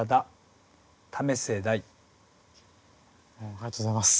ありがとうございます。